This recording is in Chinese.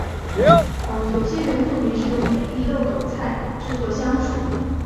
有些原住民使用美丽耧斗菜制作香水。